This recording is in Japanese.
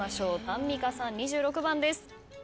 アンミカさん２６番です。